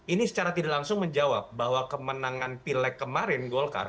ini secara tidak langsung menjawab bahwa kemenangan pilek kemarin golkar